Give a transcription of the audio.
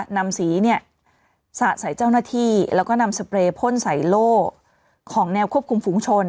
นำสีสะใส่เจ้าหน้าที่แล้วก็นำสเปรย์พ่นใส่โล่ของแนวควบคุมฝูงชน